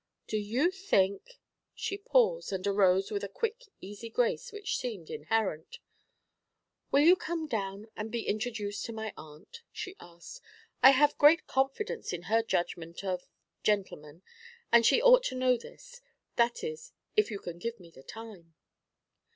Do you think ' She paused, and arose with a quick, easy grace which seemed inherent. 'Will you come down and be introduced to my aunt?' she asked. 'I have great confidence in her judgment of gentlemen, and she ought to know this; that is, if you can give me the time.'